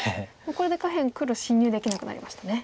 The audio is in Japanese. これで下辺黒侵入できなくなりましたね。